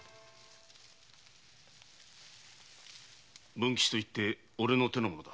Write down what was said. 文吉といっておれの手の者だ。